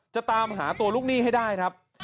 จะตามหาตัวลูกหนี้ให้ได้ครับ